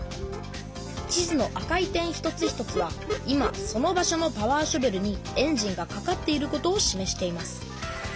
地図の赤い点一つ一つは今その場所のパワーショベルにエンジンがかかっていることをしめしています。